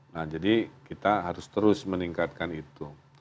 nah jadi kita harus terus meningkatkan itu